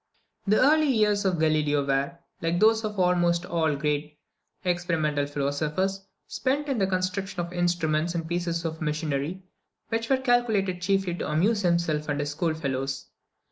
The early years of Galileo were, like those of almost all great experimental philosophers, spent in the construction of instruments and pieces of machinery, which were calculated chiefly to amuse himself and his schoolfellows.